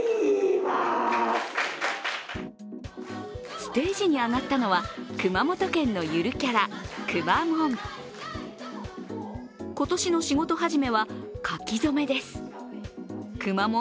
ステージに上がったのは熊本県のゆるキャラ、くまモン。